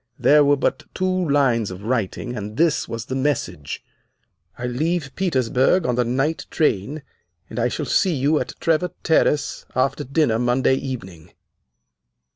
There were but two lines of writing, and this was the message: 'I leave Petersburg on the night train, and I shall see you at Trevor Terrace after dinner Monday evening.